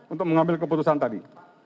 untuk mengambil keputusan tadi